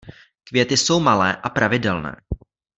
Květy jsou malé a pravidelné.